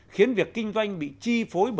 khiến việc kinh doanh bị chi phối bởi các sân bay